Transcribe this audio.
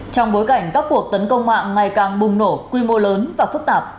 trong bối cảnh các cuộc tấn công mạng ngày càng bùng nổ quy mô lớn và phức tạp